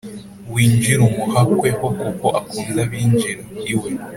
Winjire umuhakweho kuko akunda abinjira iwe